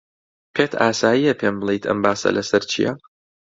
پێت ئاسایییە پێم بڵێیت ئەم باسە لەسەر چییە؟